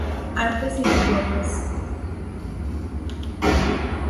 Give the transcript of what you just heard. Artes y Deportes.